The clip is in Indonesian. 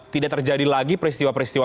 tidak terjadi lagi peristiwa peristiwa